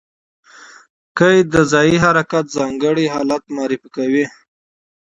قید د ځایي حرکت ځانګړی حالت معرفي کوي.